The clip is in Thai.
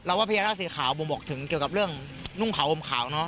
ว่าพญานาคสีขาวผมบอกถึงเกี่ยวกับเรื่องนุ่งขาวห่มขาวเนอะ